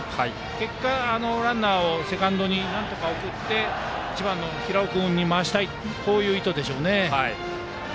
結果、ランナーをセカンドになんとか送って１番の平尾君に回したいというこういう意図でしょうね。